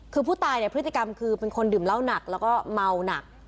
คือผู้ตายเนี่ยพฤติกรรมคือเป็นคนดื่มเหล้าหนักแล้วก็เมาหนัก